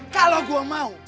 kalau gue mau